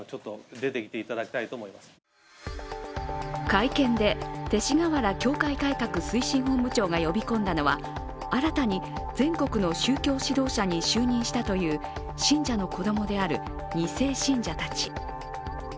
会見で勅使教会改革推進本部長が呼び込んだのは新たに全国の宗教指導者に就任したという信者の子供である２世信者たち。